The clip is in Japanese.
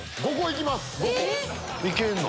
いけんの？